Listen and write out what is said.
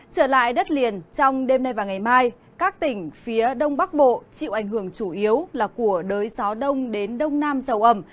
trở lại đất liền trong đêm nay và ngày mai các tỉnh phía đông bắc bộ chịu ảnh hưởng chủ yếu là của đới gió đông đến đông nam dầu ẩm